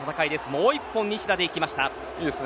もう１本西田でいきました。